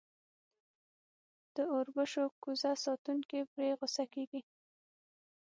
د اوربشو کوزه ساتونکی پرې غصه کېږي.